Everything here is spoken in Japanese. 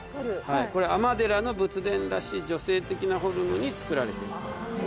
これ尼寺の仏殿らしい女性的なフォームに造られてると。